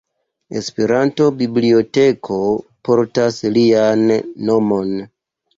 Esperanto-biblioteko portas lian nomon.